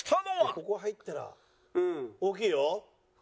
ここ入ったら大きいよ。